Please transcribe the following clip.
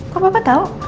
kok bapak tau